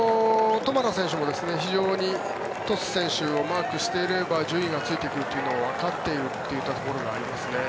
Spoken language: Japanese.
トマラ選手も非常にトス選手をマークしていれば順位がついてくるというのをわかっているところがありますね。